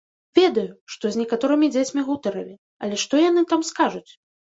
Ведаю, што з некаторымі дзецьмі гутарылі, але што яны там скажуць?